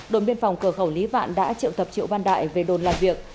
đồn biên phòng cửa khẩu lý vạn đã triệu tập triệu văn đại về đồn làm việc